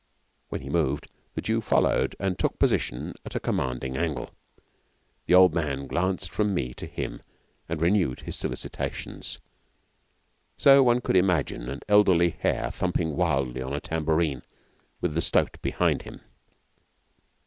When he moved the Jew followed and took position at a commanding angle. The old man glanced from me to him and renewed his solicitations. So one could imagine an elderly hare thumping wildly on a tambourine with the stoat behind him.